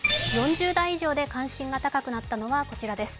４０代以上で関心が高くなったのがこちらです。